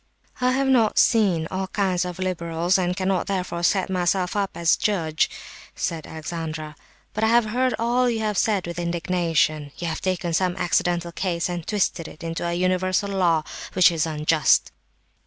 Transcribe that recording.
"I have not seen all kinds of liberals, and cannot, therefore, set myself up as a judge," said Alexandra, "but I have heard all you have said with indignation. You have taken some accidental case and twisted it into a universal law, which is unjust."